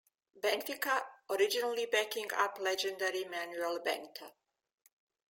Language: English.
Benfica, originally backing up legendary Manuel Bento.